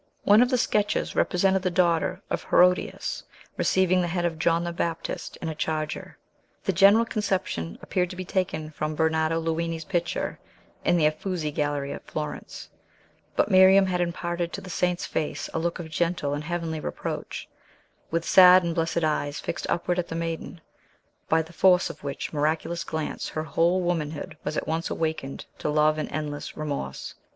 One of the sketches represented the daughter of Herodias receiving the head of John the Baptist in a charger. The general conception appeared to be taken from Bernardo Luini's picture, in the Uffizzi Gallery at Florence; but Miriam had imparted to the saint's face a look of gentle and heavenly reproach, with sad and blessed eyes fixed upward at the maiden; by the force of which miraculous glance, her whole womanhood was at once awakened to love and endless remorse.